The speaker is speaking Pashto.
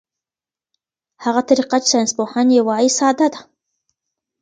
هغه طریقه چې ساینسپوهان یې وايي ساده ده.